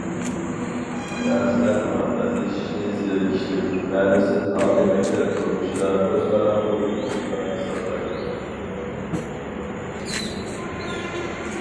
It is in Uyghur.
بەزىلەر مۇھەببەتلىشىشنى زېرىكىشلىك، مەنىسىز ئالىي مەكتەپ تۇرمۇشىدا ئۆزئارا ئويۇن ئورنىدا ھېسابلايدۇ.